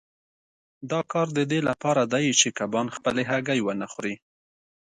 دا کار د دې لپاره دی چې کبان خپلې هګۍ ونه خوري.